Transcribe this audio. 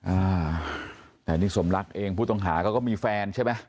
อ่าแต่นี่สมรักเองผู้ต้องหาเขาก็มีแฟนใช่ไหม